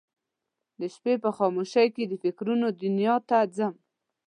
د شپې په خاموشۍ کې د فکرونه دنیا ته ځم